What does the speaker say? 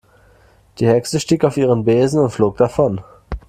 Die Hexe stieg auf ihren Besen und flog davon.